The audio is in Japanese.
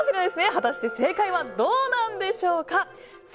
果たして正解はどうなんでしょうか。